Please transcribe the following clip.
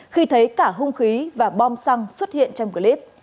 khi thấy cả hung khí và bom xăng xuất hiện trong clip